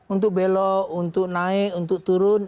untuk belok untuk naik untuk turun